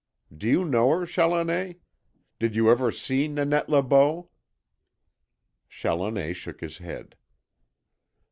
Do you know her, Challoner? Did you ever see Nanette Le Beau?" Challoner shook his head.